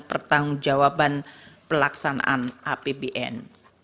pertanggungjawaban pelaksanaan ruu apbn